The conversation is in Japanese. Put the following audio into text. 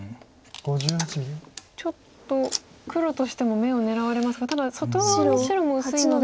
ちょっと黒としても眼を狙われますがただ外側の白も薄いので。